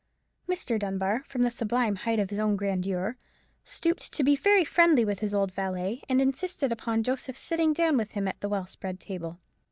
Mr. Dunbar, from the sublime height of his own grandeur, stooped to be very friendly with his old valet, and insisted upon Joseph's sitting down with him at the well spread table.